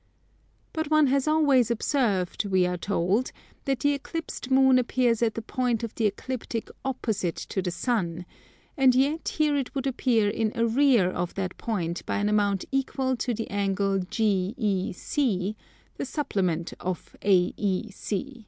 But one has always observed, we are told, that the eclipsed Moon appears at the point of the Ecliptic opposite to the Sun; and yet here it would appear in arrear of that point by an amount equal to the angle GEC, the supplement of AEC.